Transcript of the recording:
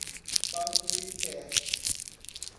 Baturité